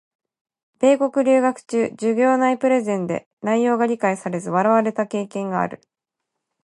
米国留学中、授業内プレゼンで内容が理解されず笑われた経験がある。